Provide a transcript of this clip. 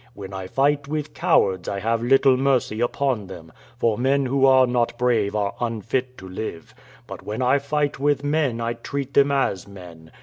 "When I fight with cowards I have little mercy upon them, for men who are not brave are unfit to live; but when I fight with men I treat them as men.